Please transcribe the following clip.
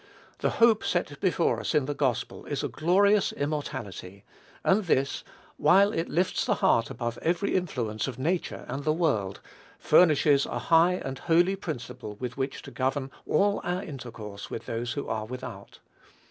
The hope set before us in the gospel is a glorious immortality; and this, while it lifts the heart above every influence of nature and the world, furnishes a high and holy principle with which to govern all our intercourse with those who are without.